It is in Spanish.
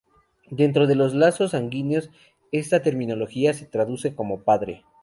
Dentro de los lazos sanguíneos esta terminología se traduce como "Padre".